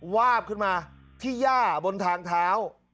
วาบขึ้นมาที่ย่าบนทางเท้า